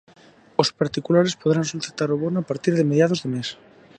Os particulares poderán solicitar o bono a partir de mediados de mes.